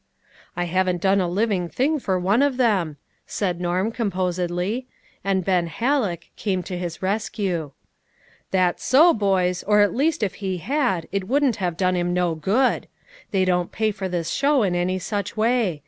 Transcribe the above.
"I haven't done a living thing for one of them," said Norm composedly ; and Ben Halleck came to his rescue. " That's so, boys ; or, at least if he had, it wouldn't done him no good. They don't pay for this show in any such way.